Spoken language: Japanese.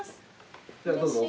じゃあどうぞ奥。